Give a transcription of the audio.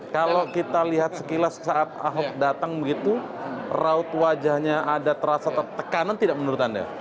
kalau kita lihat sekilas saat ahok datang begitu raut wajahnya ada terasa tertekanan tidak menurut anda